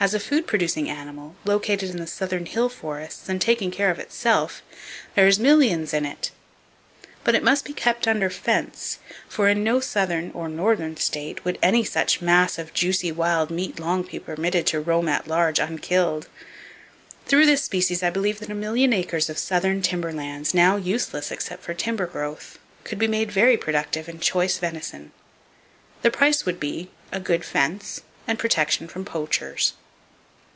As a food producing animal, located in the southern hill forests and taking care of itself, "there's millions in it!" But it must be kept under fence; for in no southern (or northern) state would any such mass of juicy wild meat long be permitted to roam at large unkilled. Through this species I believe that a million acres of southern timber lands, now useless except for timber growth, could be made very productive in choice venison. The price would be,—a good fence, and protection from poachers.